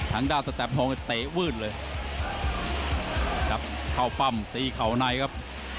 ทางด้านสแตมทองก็เตะวืดเลยครับเข้าปั้มตีเข่าในครับ